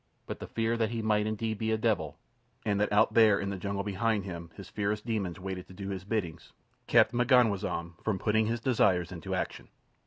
But the fear that he might indeed be a devil, and that out there in the jungle behind him his fierce demons waited to do his bidding, kept M'ganwazam from putting his desires into action.